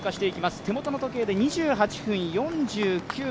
手元の時計で２８分４９秒。